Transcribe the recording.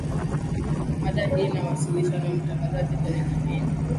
mada hii inawasilishwa na mtangazaji kwenye kipindi